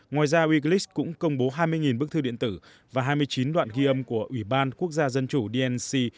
ngoài ra eglias cũng công bố hai mươi bức thư điện tử và hai mươi chín đoạn ghi âm của ủy ban quốc gia dân chủ dnc